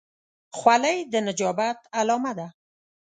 خولۍ د نجابت علامه ده.